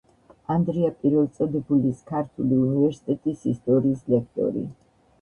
ანდრია პირველწოდებულის ქართული უნივერსიტეტის ისტორიის ლექტორი.